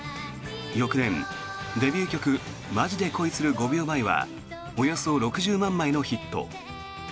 翌年、デビュー曲「ＭａｊｉでＫｏｉする５秒前」はおよそ６０万枚のヒット。